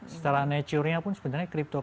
secara naturalnya pun sebenarnya